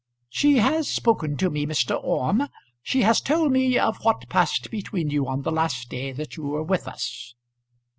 "She has spoken to me, Mr. Orme; she has told me of what passed between you on the last day that you were with us."